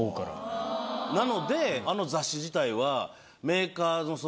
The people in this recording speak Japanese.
なのであの雑誌自体は。